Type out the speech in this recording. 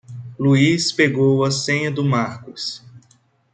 Luiz pegou a senha do Marcos.